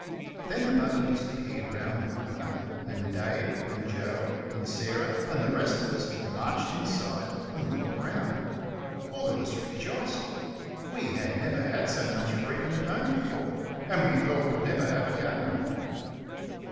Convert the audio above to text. Then the buggy disappeared round the corner, and Dave and Joe and Sarah and the rest of us marched inside and looked round. All of us rejoiced. We had never had so much freedom at home before, and we felt would never have again.